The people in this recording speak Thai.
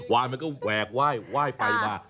ว่ายมันก็แหวกว่ายว่ายไปมา